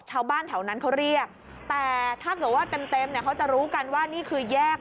ชาวบ้านแถวนั้นเขาเรียกแต่ถ้าเกิดว่าเต็มเนี่ยเขาจะรู้กันว่านี่คือแยก